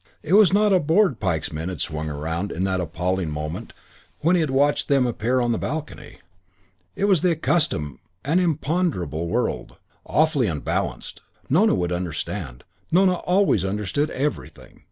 It was not a board Pike's men had swung around in that appalling moment when he had watched them appear on the balcony. It was the accustomed and imponderable world, awfully unbalanced. Nona would understand. Nona always understood everything.